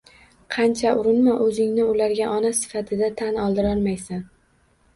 Qancha urinma, o'zingni ularga ona sifatida tan oldirolmaysan.